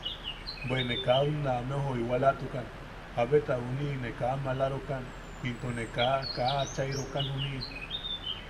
Bwe ne kaa unna ameu joiwalatukan jabeta juniʼi ne kaa maalarokan into ne kaa... kaa achairokan juniʼi.